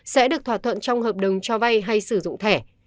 sẽ được thỏa thuận trong hợp đồng cho vay hay sử dụng thẻ